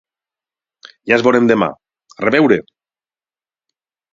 Ja ens veurem demà. A reveure!